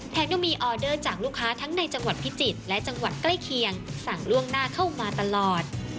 ยังมีออเดอร์จากลูกค้าทั้งในจังหวัดพิจิตรและจังหวัดใกล้เคียงสั่งล่วงหน้าเข้ามาตลอด